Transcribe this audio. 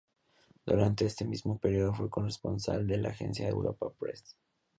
Durante este mismo periodo fue corresponsal de la Agencia Europa Press.